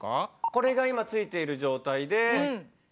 これが今ついている状態で消すと。